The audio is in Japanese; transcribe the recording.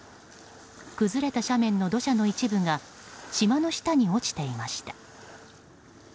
崩れた斜面の土砂の一部が島の下に落ちていました。